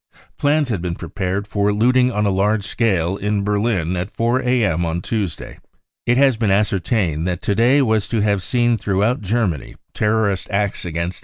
Plans had been prepared for looting on a large scale in Berlin at 4 a.m. on Tuesday. It has been ascertained that to day was to have seen throughout Germany terrorist acts against